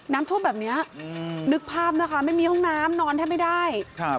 น้ำท่วมแบบเนี้ยอืมนึกภาพนะคะไม่มีห้องน้ำนอนแทบไม่ได้ครับ